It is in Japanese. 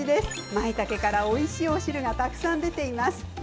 まいたけからおいしいお汁がたくさん出ています。